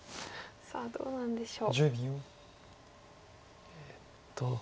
さあどうなんでしょう。